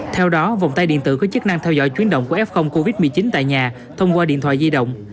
theo đó vòng tay điện tử có chức năng theo dõi chuyến động của f covid một mươi chín tại nhà thông qua điện thoại di động